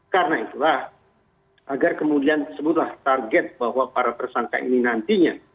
karena itulah agar kemudian disebutlah target bahwa para tersangka ini nantinya